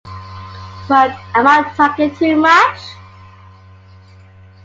But am I talking too much?